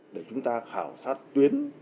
để chúng ta khảo sát tuyến